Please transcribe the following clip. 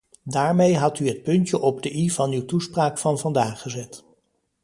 Daarmee had u het puntje op de i van uw toespraak van vandaag gezet.